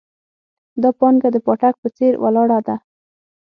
دا پانګه د پاټک په څېر ولاړه ده.